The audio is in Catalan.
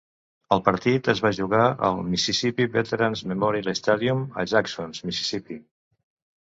El partit es va jugar al Mississippi Veterans Memorial Stadium a Jackson (Mississipí).